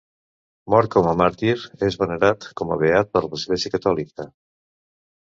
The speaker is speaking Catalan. Mort com a màrtir, és venerat com a beat per l'Església catòlica.